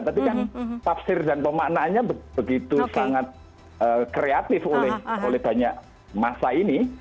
tapi kan tafsir dan pemaknaannya begitu sangat kreatif oleh banyak masa ini